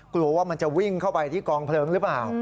กลัวว่ามันจะวิ่งเข้าไปที่กองเพลิงหรือเปล่า